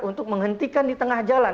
untuk menghentikan di tengah jalan